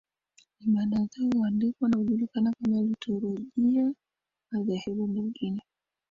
ibada zao huandikwa na hujulikana kama Liturujia Madhehebu mengine